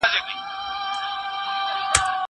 که وخت وي، سفر کوم.